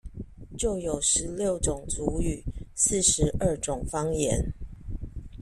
就有十六種族語、四十二種方言